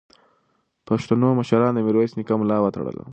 پښتنو مشرانو د میرویس نیکه ملا وتړله.